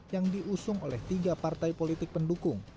yang diusung oleh tiga partai politik pendukung